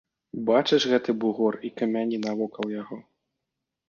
Бачыш гэты бугор і камяні навокал яго?